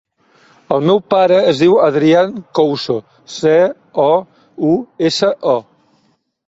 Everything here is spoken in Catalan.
El meu pare es diu Adrián Couso: ce, o, u, essa, o.